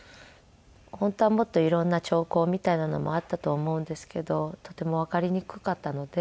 本当はもっと色んな兆候みたいなのもあったと思うんですけどとてもわかりにくかったので。